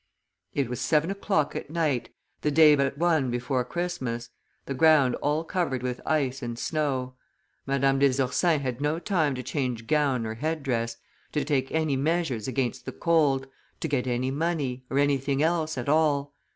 It was seven o'clock at night, the day but one before Christmas, the ground all covered with ice and snow; Madame des Ursins had no time to change gown or head dress, to take any measures against the cold, to get any money, or any anything else at all."